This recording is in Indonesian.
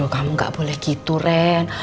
kamu nggak boleh gitu ren